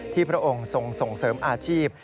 พระองค์ทรงส่งเสริมอาชีพ